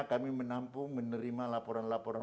kami menampung menerima laporan laporan